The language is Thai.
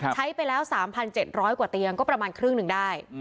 ใช้ไปแล้ว๓๗๐๐กว่าเตียงก็ประมาณครึ่งหนึ่งได้